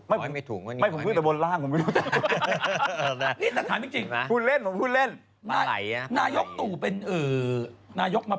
ไม่ผมพูดแต่บนล่างผมไม่รู้